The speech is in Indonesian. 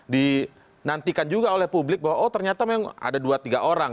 dinantikan juga oleh publik bahwa oh ternyata memang ada dua tiga orang